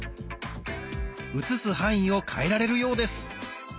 写す範囲を変えられるようです。